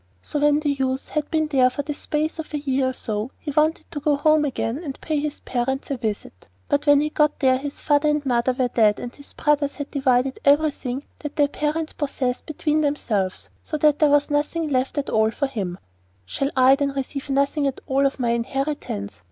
So when the youth had been there for the space of a year or so, he wanted to go home again to pay his parents a visit; but when he got there his father and mother were dead, and his brothers had divided everything that their parents possessed between themselves, so that there was nothing at all left for him. 'Shall I, then, receive nothing at all of my inheritance?